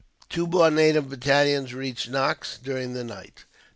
Two more native battalions reached Knox during the night.